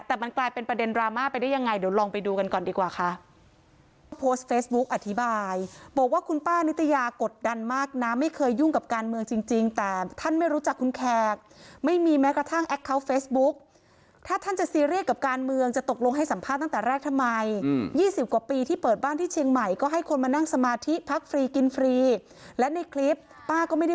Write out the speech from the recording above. แต่มันกลายเป็นประเด็นดราม่าไปได้ยังไงเดี๋ยวลองไปดูกันก่อนดีกว่าค่ะ